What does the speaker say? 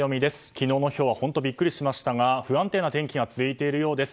昨日のひょうは本当にビックリしましたが不安定な天気が続いているようです。